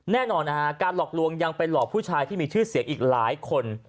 แน่นอนนะฮะการหลอกลวงยังไปหลอกผู้ชายที่มีชื่อเสียงอีกหลายคน